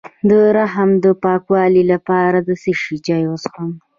د رحم د پاکوالي لپاره د څه شي چای وڅښم؟